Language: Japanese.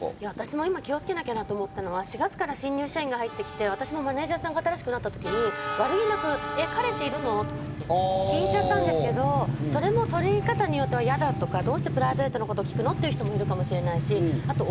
私も気をつけなきゃいけないなと思ったのが４月から新入社員が入ってきてマネジャーさんとかに悪気なく彼氏いるの？って聞いちゃったんですけど、それも取り方によっては嫌だとか、どうしてプライベートのこと聞くの？っていう人もいるかもしれないし。